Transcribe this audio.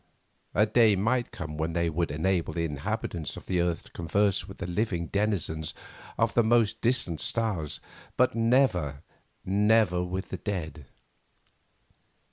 A day might come when they would enable the inhabitants of the earth to converse with the living denizens of the most distant stars; but never, never with the dead.